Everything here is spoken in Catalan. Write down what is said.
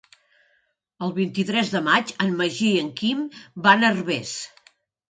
El vint-i-tres de maig en Magí i en Quim van a Herbers.